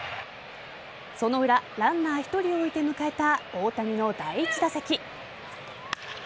その裏ランナー１人を置いて迎えた大谷の第１打席。